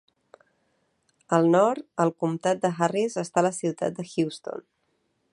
Al nord al comtat de Harris està la ciutat de Houston.